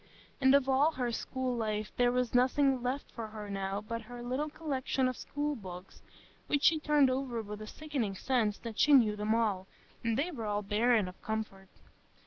And of all her school life there was nothing left her now but her little collection of school books, which she turned over with a sickening sense that she knew them all, and they were all barren of comfort.